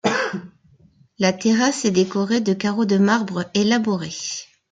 La terrasse est décorée de carreaux de marbre élaborés.